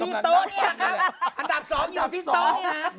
อยู่ที่โต๊ะนี่นะครับอันดับสองอยู่ที่โต๊ะนี่นะครับ